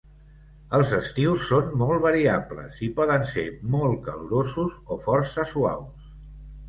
Els estius són molt variables i poden ser molt calorosos o força suaus.